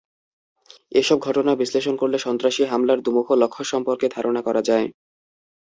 এসব ঘটনা বিশ্লেষণ করলে সন্ত্রাসী হামলার দুমুখো লক্ষ্য সম্পর্কে ধারণা করা যায়।